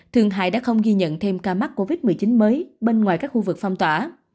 thường hải đã không ghi nhận thêm ca mắc covid một mươi chín mới bên ngoài các khu vực phong tỏa